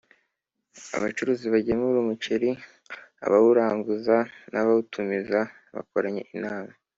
Abacuruzi bagemura umuceri abawuranguza n abawutumiza bakoranye inama